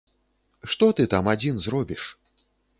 Што ты там адзін зробіш?